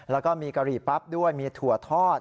แล้วก็มีกะหรี่ปั๊บด้วยมีถั่วทอด